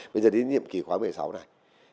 bây giờ đến nhiệm kỳ khóa một mươi sáu này